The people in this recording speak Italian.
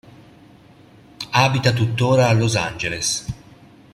Abita tuttora a Los Angeles.